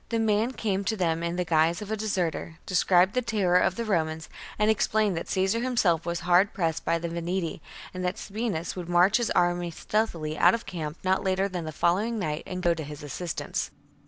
The man came to them in the guise of a deserter ; described the terror of the Romans ; and explained that Caesar himself was hard pressed by the Veneti, and that Sabinus would march his army stealthily out of camp not later than the following night and go to his assistance.